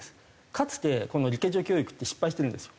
かつてこのリケジョ教育って失敗してるんですよ。